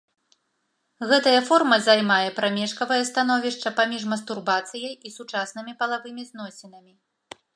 Гэтая форма займае прамежкавае становішча паміж мастурбацыяй і сучаснымі палавымі зносінамі.